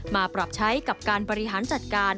มาปรับใช้กับการบริหารจัดการ